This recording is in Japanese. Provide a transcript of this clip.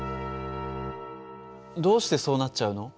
どうしてそうなっちゃうの？